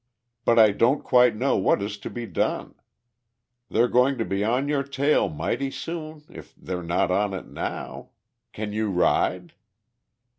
But I don't quite know what is to be done. They're going to be on your trail mighty soon if they're not on it now. Can you ride?"